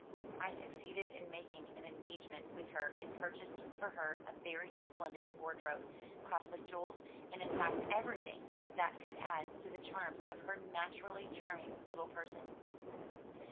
I succeeded in making an engage 178 THE TREASURE CHEST ment with her and purchased for her a very splendid wardrobe, costly jewels, and in fact everything that could add to the charms of her naturally charming little person.